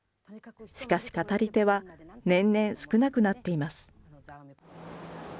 しかし語り手は、年々少なくなっています。